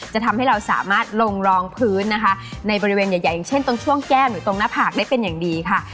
จะทำให้เราสามารถลงรองพื้นนะคะในบริเวณใหญ่อย่างเช่นตรงช่วงแก้มหรือตรงหน้าผากได้เป็นอย่างดีค่ะ